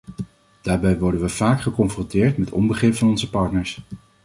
Daarbij worden we vaak geconfronteerd met onbegrip van onze partners.